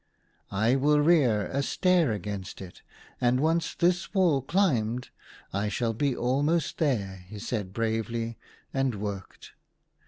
" I will rear a stair against it ; and, once this wall climbed, I shall be almost there," he said 44 THE HUNTER. bravely ; and worked.